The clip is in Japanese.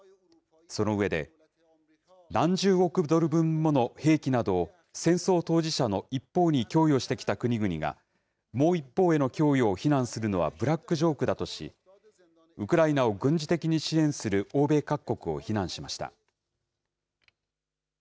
その上で、何十億ドル分もの兵器などを、戦争当事者の一方に供与してきた国々が、もう一方への供与を非難するのはブラックジョークだとし、ウクライナを軍事的に支援する欧米各国を非難しました。